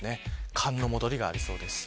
寒の戻りがありそうです。